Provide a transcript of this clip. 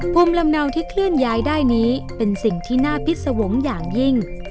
ภูมิลำเนาที่เคลื่อนย้ายได้นี้เป็นสิ่งที่น่าพิษวงศ์อย่างยิ่ง